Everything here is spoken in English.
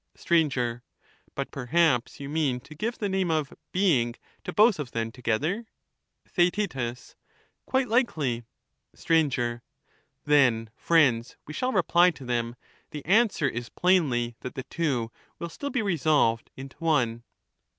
Str, But perhaps you mean to give the name of ' being ' to both of them together? Theaet Quite likely. 344 Str. ' Then, friends,* we shall reply to them, ' the answer is plainly that the two will still be resolved into one.'